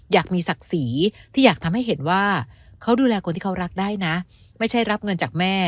อยากมีศักดิ์ศรีที่อยากทำให้เห็นว่าเขาดูแลคนที่เขารักได้นะไม่ใช่รับเงินจากแม่